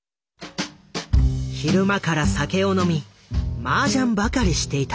昼間から酒を飲みマージャンばかりしていた。